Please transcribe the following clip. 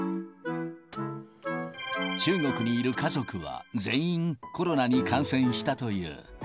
中国にいる家族は、全員コロナに感染したという。